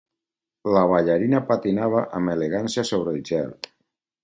La ballarina patinava amb elegància sobre el gel.